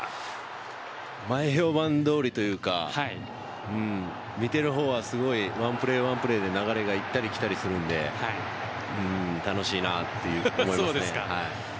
前評判どおりというか見ている方はすごいワンプレーワンプレーで流れが行ったり来たりするので楽しいなと思います。